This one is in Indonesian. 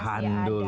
kita tahan dulu